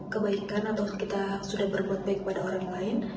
kebaikan atau kita sudah berbuat baik kepada orang lain